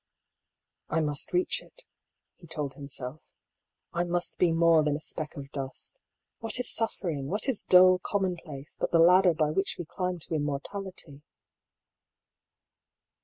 " I must reach it," he told himself. " I must be more than a speck of dust. What is suffering, what is dull commonplace, but the ladder by which we climb to immortality